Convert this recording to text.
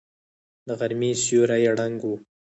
د غرمې سیوری ړنګ و.